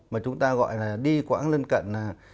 mà chúng ta gọi là đi quãng lên cận